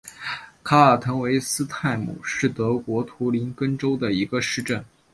卡尔滕韦斯泰姆是德国图林根州的一个市镇。